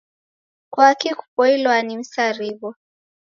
Kwaki kupoilwa ni misarigho